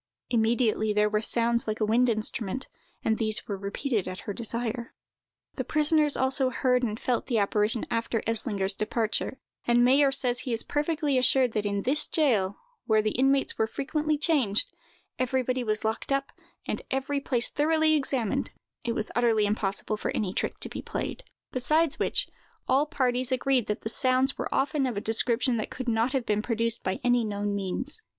Immediately there were sounds like a wind instrument, and these were repeated at her desire. The prisoners also heard and felt the apparition after Eslinger's departure; and Mayer says he is perfectly assured that in this jail, where the inmates were frequently changed, everybody was locked up, and every place thoroughly examined, it was utterly impossible for any trick to be played: besides which, all parties agreed that the sounds were often of a description that could not have been produced by any known means.